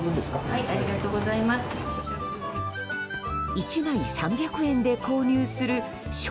１枚３００円で購入する笑